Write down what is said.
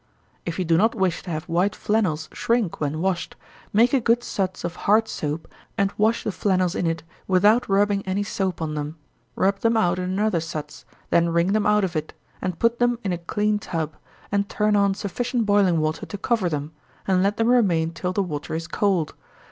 _ If you do not wish to have white flannels shrink when washed, make a good suds of hard soap, and wash the flannels in it, without rubbing any soap on them; rub them out in another suds, then wring them out of it, and put them in a clean tub, and turn on sufficient boiling water to cover them, and let them remain till the water is cold.